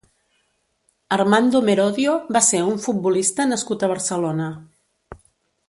Armando Merodio va ser un futbolista nascut a Barcelona.